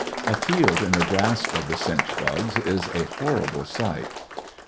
A field in the grasp of the chinch bugs is a Devastation horrible sight.